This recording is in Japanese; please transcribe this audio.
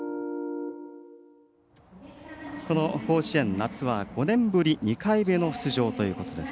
甲子園の夏は５年ぶり２回目の出場ということです。